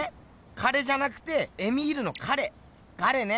彼じゃなくてエミールの彼ガレね。